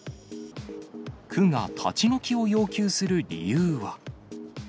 区が立ち退きを要求する理由は。